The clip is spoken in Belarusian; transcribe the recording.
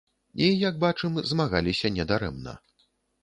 І, як бачым, змагаліся не дарэмна.